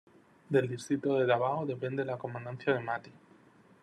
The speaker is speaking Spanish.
Del distrito de Dávao depende la comandancia de Mati.